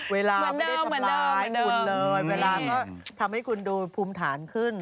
เวลาก็ทำให้คุณดูภูมิฐานขึ้น